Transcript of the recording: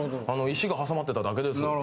あの石が挟まってただけです」